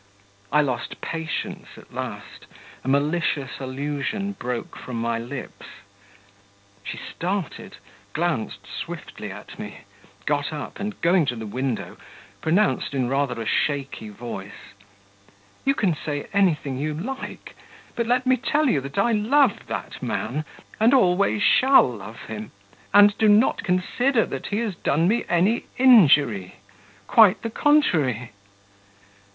I lost patience at last; a malicious allusion broke from my lips.... She started, glanced swiftly at me, got up, and going to the window, pronounced in a rather shaky voice, 'You can say anything you like, but let me tell you that I love that man, and always shall love him, and do not consider that he has done me any injury, quite the contrary.'...